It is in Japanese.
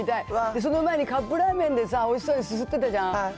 その前にカップラーメンでさ、おいしそうですすってたじゃん。